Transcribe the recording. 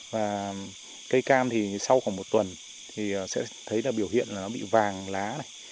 và cây cam thì sau khoảng một tuần thì sẽ thấy là biểu hiện là nó bị vàng lá này